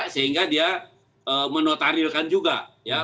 sehingga dia menotarilkan juga ya